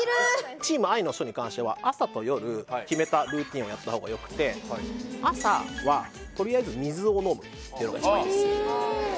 チームＩの人に関しては朝と夜決めたルーティンをやった方がよくて朝はとりあえず水を飲むっていうのが一番いいですえっ